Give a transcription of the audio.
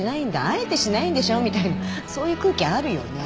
あえてしないんでしょ」みたいなそういう空気あるよね。